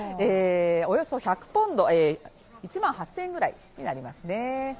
およそ１００ポンド、１万８０００円ぐらいになりますね。